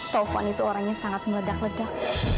taufan itu orang yang sangat meledak ledak